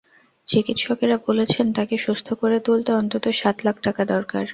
চিকিৎসকেরা বলেছেন, তাকে সুস্থ করে তুলতে অন্তত সাত লাখ টাকা দরকার।